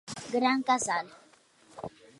Gran Casal.